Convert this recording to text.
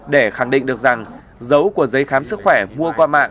để khẳng định được rằng dấu của giấy khám sức khỏe mua qua mạng